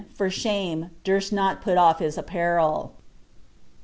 for shame, durst not put off his apparel."